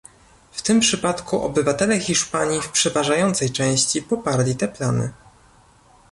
W tym przypadku obywatele Hiszpanii w przeważającej części poparli te plany